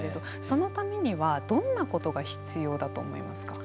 そのためにはどんなことが必要だと思いますか。